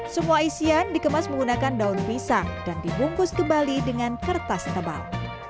semua isian dikemas menggunakan daun pisang dan dibungkus kembali dengan kertas tebal